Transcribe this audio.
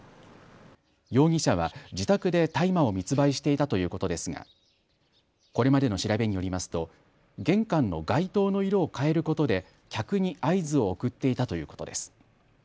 容疑者は自宅で大麻を密売していたということですがこれまでの調べによりますと玄関の外灯の色を変えることで客に合図を送っていたということです。